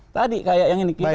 tadi kayak yang ini